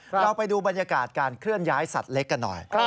เราไปดูบรรยากาศการเคลื่อนย้ายสัตว์เล็กกันหน่อย